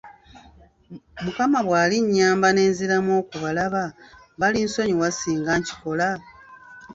Mukama bw'alinnyamba ne nziramu okubalaba, balinsonyiwa singa nkikola?